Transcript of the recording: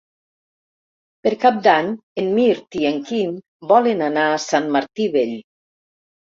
Per Cap d'Any en Mirt i en Quim volen anar a Sant Martí Vell.